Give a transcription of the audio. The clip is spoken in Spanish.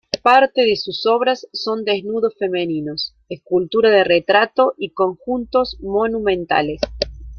Parte de sus obras son desnudos femeninos, escultura de retrato y conjuntos monumentales.